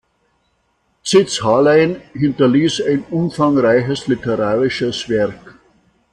Zitz-Halein hinterließ ein umfangreiches literarisches Werk.